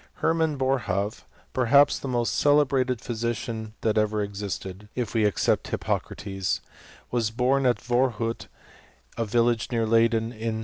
Herman Boerhaave, perhaps the most celebrated physician that ever existed, if we except Hippocrates, was born at Voorhout, a village near Leyden, in 1668, VOL.